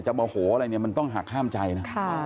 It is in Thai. โมโหอะไรเนี่ยมันต้องหักห้ามใจนะ